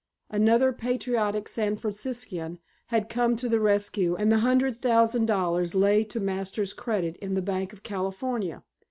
Another patriotic San Franciscan had come to the rescue and the hundred thousand dollars lay to Masters' credit in the Bank of California.